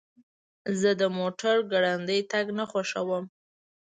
زه د موټر ګړندی تګ نه خوښوم.